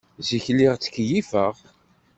Zik, lliɣ ttkeyyifeɣ.